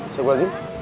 siap gua zim